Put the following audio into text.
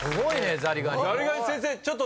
「ザリガニ」